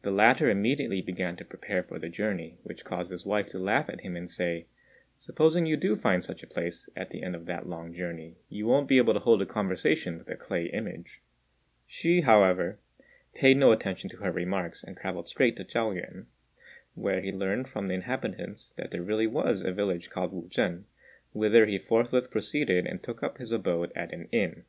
The latter immediately began to prepare for the journey, which caused his wife to laugh at him and say, "Supposing you do find such a place at the end of that long journey, you won't be able to hold a conversation with a clay image." Hsü, however, paid no attention to her remarks, and travelled straight to Chao yüan, where he learned from the inhabitants that there really was a village called Wu chên, whither he forthwith proceeded and took up his abode at an inn.